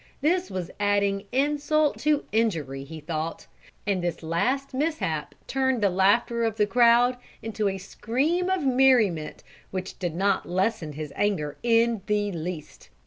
This was adding insult to injury, he thought, and this last mishap turned the laughter of the crowd into a scream of merriment which did not lessen his anger in the least.